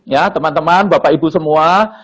ya teman teman bapak ibu semua